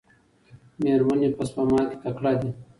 میرمنې په سپما کې تکړه دي.